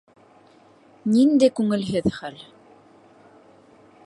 Ниндәй күңелһеҙ хәл!